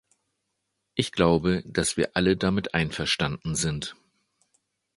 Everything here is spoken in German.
Ich glaube, dass wir alle damit einverstanden sind.